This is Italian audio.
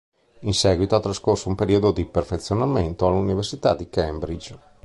In seguito, ha trascorso un periodo di perfezionamento all'Università di Cambridge.